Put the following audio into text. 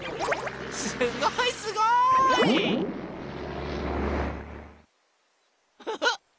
すごいすごい！フフ。